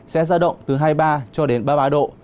sẽ ra động từ hai mươi ba cho đến ba mươi ba độ